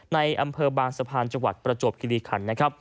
ในอำเภอบางสะพานจังหวัดประจวบกิริขันนะครับ